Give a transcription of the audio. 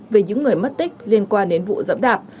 về những người mất tích liên quan đến vụ dẫm đạp